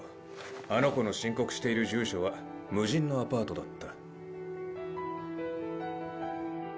あの子の申告している住所は無人のアパートだった。